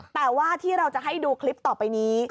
แต่ว่าที่เราจะให้ดูคลิปต่อไปนี้